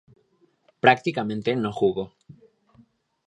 Prácticamente, no jugó.